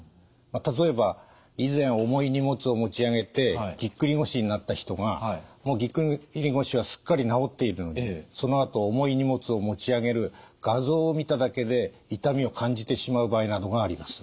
例えば以前重い荷物を持ち上げてぎっくり腰になった人がもうぎっくり腰はすっかり治っているのにそのあと重い荷物を持ち上げる画像を見ただけで痛みを感じてしまう場合などがあります。